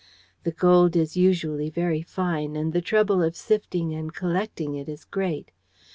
The gold is usually very fine, and the trouble of sifting and collecting it is great.